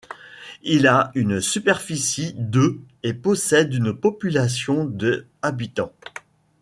Il a une superficie de et possède une population de habitants.